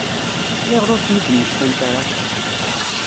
Ayɣer ur ten-id-mmektant ara?